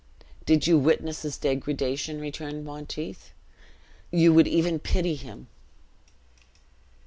"Did you witness his degradation," returned Monteith, "you would even pity him."